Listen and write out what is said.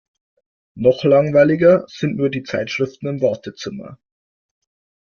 Noch langweiliger sind nur die Zeitschriften im Wartezimmer.